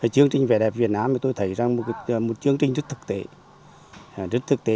chương trình vẻ đẹp việt nam tôi thấy là một chương trình rất thực tế